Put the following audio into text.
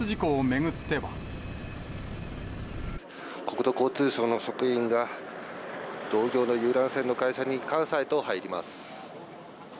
国土交通省の職員が、同業の遊覧船の会社に監査へと入ります。